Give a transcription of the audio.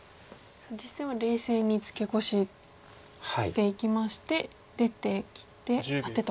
実戦は冷静にツケコしていきまして出て切ってアテと。